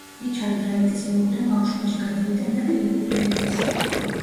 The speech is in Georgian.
რიჩარდ რაიტის მეუღლემ ბავშვობაში გადაიტანა კლინიკური დეპრესია.